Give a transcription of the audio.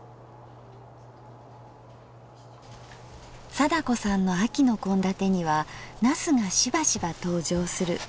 貞子さんの秋の献立には茄子がしばしば登場する。